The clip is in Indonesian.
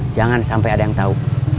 jangan sampai ada yang tahu